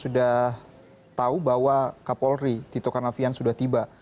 di tokan avian sudah tiba